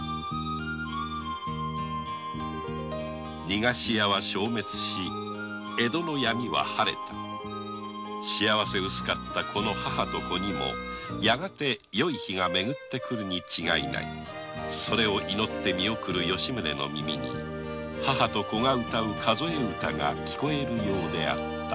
逃がし屋は消滅し江戸のヤミは晴れたこの母と子にもやがてよい日がめぐって来るに違いないそれを祈って見送る吉宗の耳に母と子が歌う数え歌が聞こえるようであった